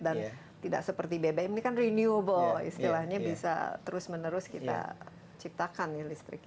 dan tidak seperti bbm ini kan renewable istilahnya bisa terus menerus kita ciptakan listriknya